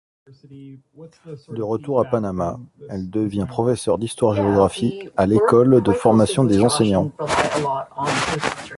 De retour à Panama, elle devient professeur d'histoire-géographie à l'école de formation des enseignants.